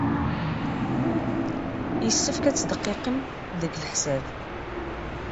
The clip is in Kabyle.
Yessefk ad tdeqqeqem deg leḥsab.